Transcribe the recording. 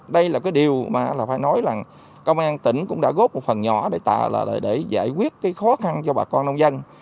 đây là điều mà phải nói là công an tỉnh cũng đã góp một phần nhỏ để giải quyết khó khăn cho bà con nông dân